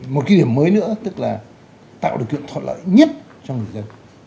một cái điểm mới nữa tức là tạo điều kiện thuận lợi nhất cho người dân